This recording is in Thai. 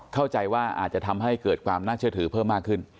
เข้าใจว่าอาจจะทำให้เกิดความน่าเชื่อถือเพิ่มมากขึ้น